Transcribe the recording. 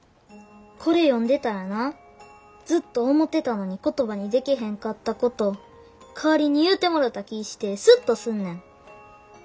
これ読んでたらなずっと思てたのに言葉にでけへんかったこと代わりに言うてもろた気ぃしてスッとすんねん。